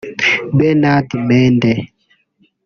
Bernard Membe